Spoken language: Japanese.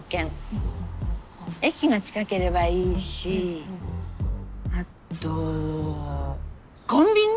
駅が近ければいいしあとコンビニ。